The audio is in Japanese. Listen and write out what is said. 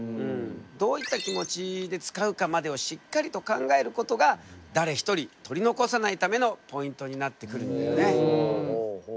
どういった気持ちで使うかまでをしっかりと考えることが誰ひとり取り残さないためのポイントになってくるんだよね。